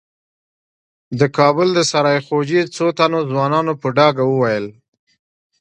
د کابل د سرای خوجې څو تنو ځوانانو په ډاګه وويل.